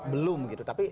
belum gitu tapi